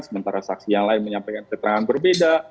sementara saksi yang lain menyampaikan keterangan berbeda